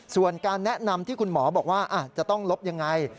ส่วนการแนะนำที่คุณหมอบอกว่าจะต้องลบยังไง